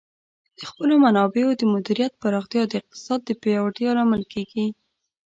د خپلو منابعو د مدیریت پراختیا د اقتصاد پیاوړتیا لامل کیږي.